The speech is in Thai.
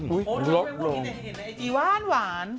อ๋อทำให้พูดติ๊ดแต่เห็นไอ้จีว่านหวาน